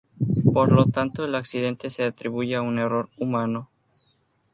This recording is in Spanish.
Por lo tanto, el accidente se atribuye a un error humano.